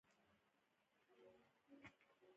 ښه اورېدونکي ښه ملګري دي.